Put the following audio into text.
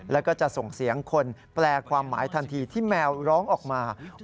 แล้วก็จะส่งเสียงคนแปลความหมายทันทีที่แมวร้องออกมา